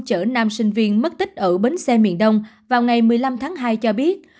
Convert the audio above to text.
chở nam sinh viên mất tích ở bến xe miền đông vào ngày một mươi năm tháng hai cho biết